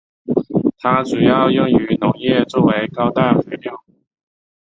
它主要用于农业作为高氮肥料。